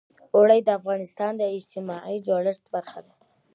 اوړي د افغانستان د اجتماعي جوړښت برخه ده.